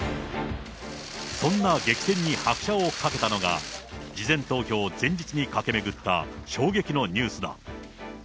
そんな激戦に拍車をかけたのが、事前投票前日に駆け巡った衝撃のニュースだ。